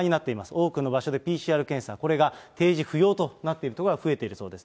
多くの場所でＰＣＲ検査、これが提示不要となっている所が増えているそうです。